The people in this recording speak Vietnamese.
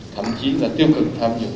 thậm chí là tiêu cực tham dự